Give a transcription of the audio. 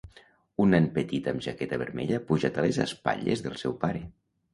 Un nen petit amb jaqueta vermella pujat a les espatlles del seu pare.